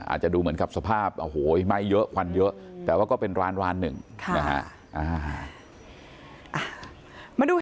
อาจจะดูเหมือนกับสภาพโอ้โหไหม้เยอะควันเยอะแต่ว่าก็เป็นร้านร้านหนึ่งนะฮะ